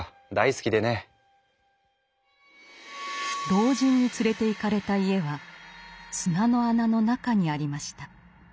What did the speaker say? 老人に連れていかれた家は砂の穴の中にありました。